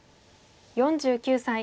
４９歳。